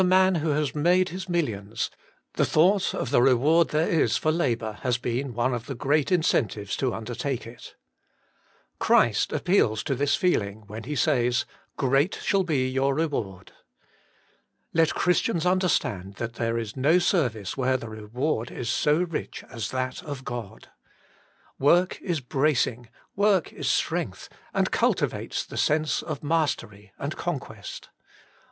an who has made his millions, the thought of the reward there is for labour has been one of the great incentives to undertake it. Christ appeals to this feeling when He says, Great shall be your reward.' Let Chris tians understand that there is no service where the reward is so rich as that of God. Work is bracing, work is strength, and cul tivates the sense of mastery and conquest.